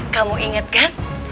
kamu inget kan